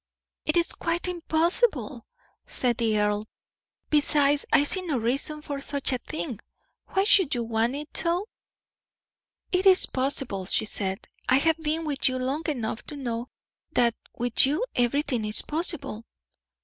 "It is quite impossible," said the earl. "Besides, I see no reason for such a thing. Why should you want it so?" "It is possible," she said. "I have been with you long enough to know that with you everything is possible.